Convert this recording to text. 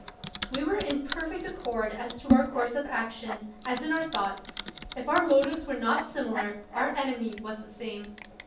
We were in perfect accord as to our course of action, as in our thoughts. If our motives were not similar, our enemy was the same.